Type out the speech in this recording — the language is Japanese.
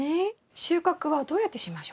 収穫はどうやってしましょうか？